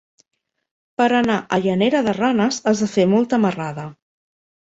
Per anar a Llanera de Ranes has de fer molta marrada.